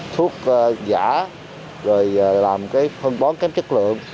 thuốc giả rồi làm cái phân bón kém chất lượng